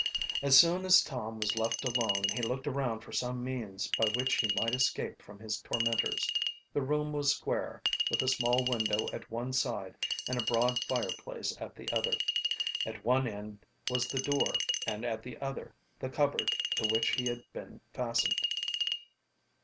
As soon as Tom was left alone he looked around for some means by which he might escape from his tormentors. The room was square, with a small window at one side and a broad fireplace at the other. At one end was the door and at the other the cupboard to which he had been fastened.